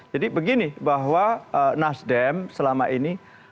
jadi begini bahwa nasdem selama ini